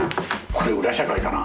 これ裏社会かな？